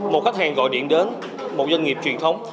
một khách hàng gọi điện đến một doanh nghiệp truyền thống